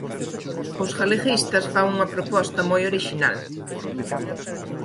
Os galeguistas fan unha proposta moi orixinal